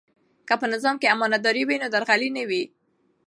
که په نظام کې امانتداري وي نو درغلي نه وي.